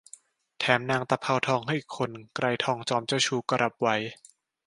แถมนางตะเภาทองให้อีกคน ไกรทองจอมเจ้าชู้ก็รับไว้